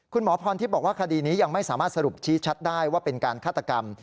คุณหมอพรทิพย์บอกว่าคดีนี้ยังไม่สามารถสรุปชี้ชัดได้ว่าเป็นการฆาตกรรม